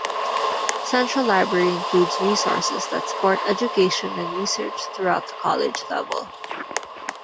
Central Library includes resources that support education and research through the college level.